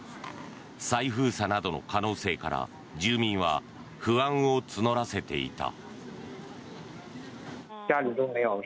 再封鎖などの可能性から住民は不安を募らせていた。